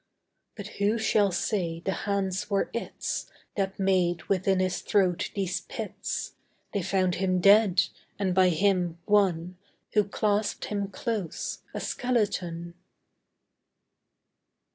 But who shall say the hands were its That made within his throat these pits? They found him dead; and by him, one Who clasped him close, a skeleton.